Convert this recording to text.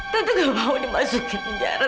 tante nggak mau dimasukin penjara